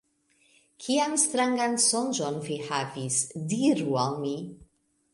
Kian strangan sonĝon vi havis? Diru al mi!